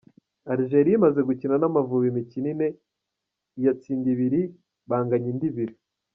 Algeria imaze gukina n’Amavubi imikino ine, iyatsinda ibiri, banganya indi ibiri.